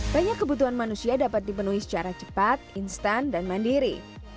banyak kebutuhan manusia dapat dipenuhi secara cepat instan dan mandiri